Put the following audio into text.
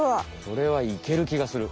これはいけるきがする。